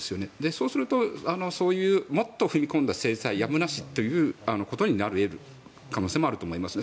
そうすると、もっと踏み込んだ制裁やむなしということになり得る可能性もあると思います。